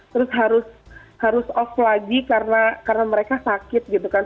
terus harus off lagi karena mereka sakit gitu kan